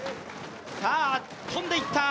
さあ、跳んでいった。